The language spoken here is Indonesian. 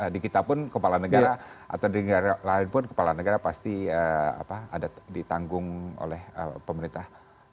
di kita pun kepala negara atau di negara lain pun kepala negara pasti ada ditanggung oleh pemerintah